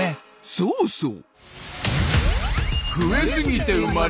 そうそう！